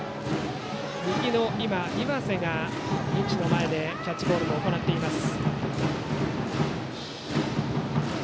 右の岩瀬がベンチ前でキャッチボールをしています。